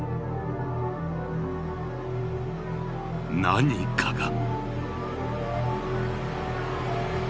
何かが。